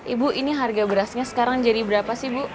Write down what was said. ibu ini harga berasnya sekarang jadi berapa sih bu